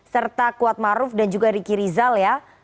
serta kuat maruf dan juga riki rizal ya